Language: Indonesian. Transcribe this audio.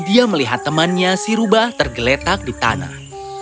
dia melihat temannya si rubah tergeletak di tanah